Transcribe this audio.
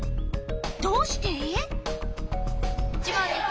どうして？